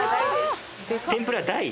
天ぷら大？